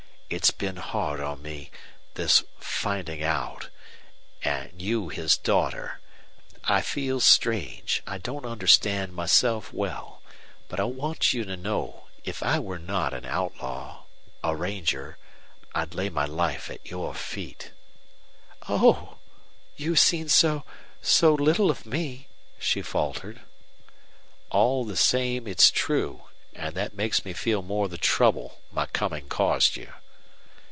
It's been hard on me this finding out and you his daughter. I feel strange. I don't understand myself well. But I want you to know if I were not an outlaw a ranger I'd lay my life at your feet." "Oh! You have seen so so little of me," she faltered. "All the same it's true. And that makes me feel more the trouble my coming caused you."